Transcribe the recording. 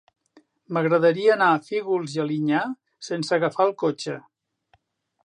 M'agradaria anar a Fígols i Alinyà sense agafar el cotxe.